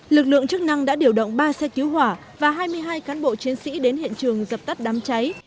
lực lượng chức năng đã điều động ba xe cứu hỏa và hai mươi hai cán bộ chiến sĩ đến hiện trường dập tắt đám cháy